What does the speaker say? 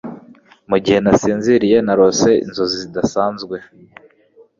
Mugihe nasinziriye, narose inzozi zidasanzwe.